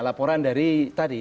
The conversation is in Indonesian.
laporan dari tadi